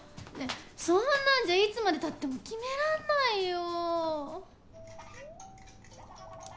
そんなんじゃいつまでたっても決めらんないよ